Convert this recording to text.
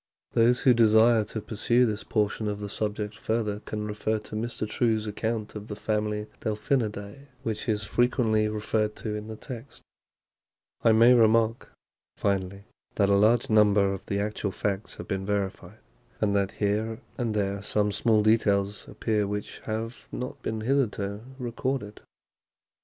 Those who desire to pursue this portion of the subject further can refer to Mr. True's account of the family Delphinidae, which is frequently referred to in the text. I may remark, finally, that a large number of the actual facts have been verified, and that here and there some small details appear which have not been hitherto recorded.